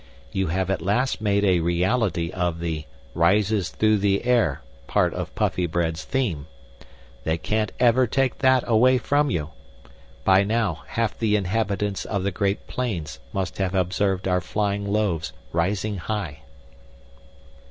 You have at last made a reality of the 'rises through the air' part of Puffybread's theme. They can't ever take that away from you. By now, half the inhabitants of the Great Plains must have observed our flying loaves rising high."